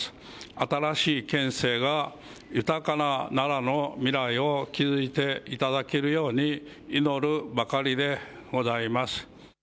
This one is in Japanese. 新しい県政が豊かな奈良の未来を築いていただけるように祈るばかりでございます。